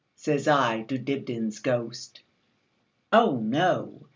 Says I to Dibdin's ghost."Oh, no!